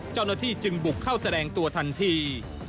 เจ้าหน้าที่จึงบุกเข้าแสดงตัวทันที